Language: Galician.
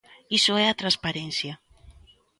Iso é a transparencia.